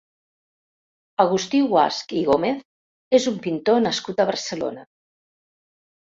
Agustí Guasch i Gómez és un pintor nascut a Barcelona.